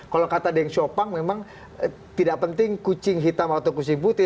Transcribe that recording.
kalau kata deng shopang memang tidak penting kucing hitam atau kucing putih